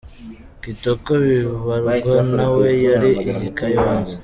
Kitoko Bibarwa na we yari i Kayonza.